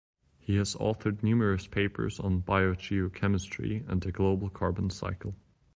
He has authored numerous papers on biogeochemistry and the global carbon cycle.